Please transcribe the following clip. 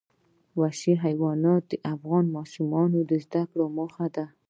وحشي حیوانات د افغان ماشومانو د زده کړې موضوع ده.